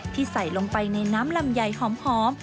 ที่ใส่ลงไปในน้ำลำใหญ่หอม